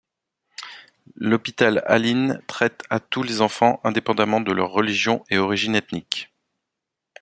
L'hôpital Alyn traite à tous les enfants, indépendamment de leur religion et origine ethnique.